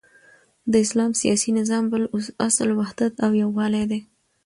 د اسلام سیاسی نظام بل اصل وحدت او یوالی دی،